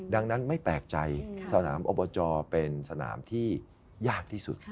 ดังนั้นไม่แปลกใจสนามอบจเป็นสนามที่ยากที่สุด